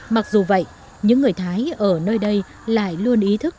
mặc dù vậy những người thái ở nơi đây lại luôn ý thức